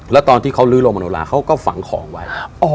แล้วตอนที่เขาลื้อโรงมโนลาเขาก็ฝังของไว้